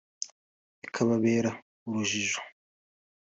bikababera urujijo